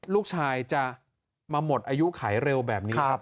ลูกชายจะมาหมดอายุขายเร็วแบบนี้ครับ